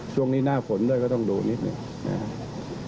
ช่วงนี้หน้าฝนด้วยก็ต้องดูนิดหนึ่งนะครับ